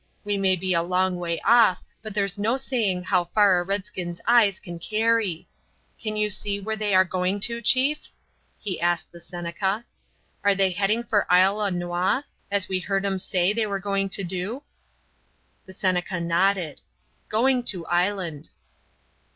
We may be a long way off, but there's no saying how far a redskin's eyes can carry. Can you see where they are going to, chief?" he asked the Seneca. "Are they heading for Isle aux Noix, as we heard 'em say they were going to do?" The Seneca nodded. "Going to island."